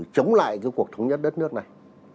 chống lại cuộc thống nhất đất nước này